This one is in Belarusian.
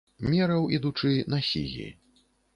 Мераў, ідучы, на сігі.